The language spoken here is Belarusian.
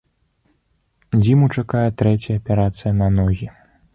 Дзіму чакае трэцяя аперацыя на ногі.